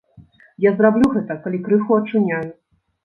Я зраблю гэта, калі крыху ачуняю.